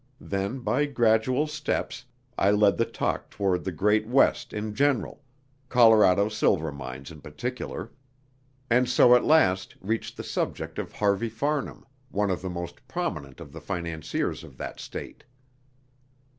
Then, by gradual steps, I led the talk toward the great West in general, Colorado silver mines in particular, and so at last reached the subject of Harvey Farnham, one of the most prominent of the financiers of that State.